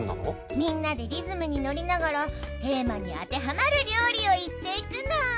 みんなでリズムに乗りながらテーマに当てはまる料理を言っていくの。